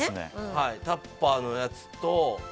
はいタッパーのやつと。